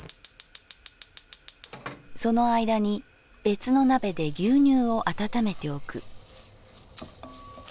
「その間に別の鍋で牛乳を温めておく」。